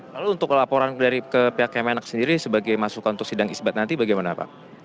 lalu untuk laporan dari pihak kemenak sendiri sebagai masukan untuk sidang isbat nanti bagaimana pak